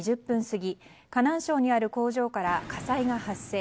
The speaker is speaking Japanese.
過ぎ河南省にある工場から火災が発生。